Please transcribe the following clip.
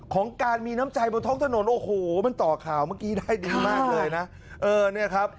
ของการมีน้ำใจบนท้องถนนโอ้โหมันต่อข่าวเมื่อกี้ได้ดีมากเลยนะเออเนี่ยครับ